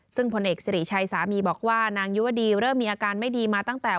ซึ่งผลเอกสิริชัยสามีบอกว่านางยุวดีเริ่มมีอาการไม่ดีมาตั้งแต่